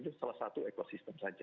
itu salah satu ekosistem saja